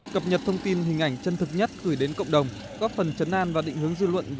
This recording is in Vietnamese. cập nhật thông tin hình ảnh chân thực nhất gửi đến cộng đồng